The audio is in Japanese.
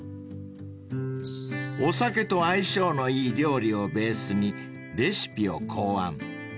［お酒と相性のいい料理をベースにレシピを考案］